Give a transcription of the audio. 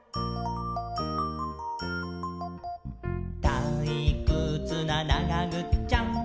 「たいくつな、ながぐっちゃん！！」